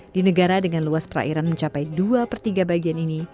di negara dengan luas perairan mencapai dua per tiga bagian ini